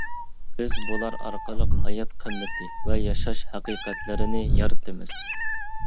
بىز بۇلار ئارقىلىق ھايات قىممىتى ۋە ياشاش ھەقىقەتلىرىنى يارتىمىز.